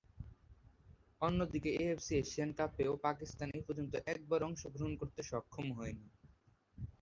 অন্যদিকে, AFC Asian কাপেও পাকিস্তান এপর্যন্ত একবারও অংশগ্রহণ করতে সক্ষম হয়নি।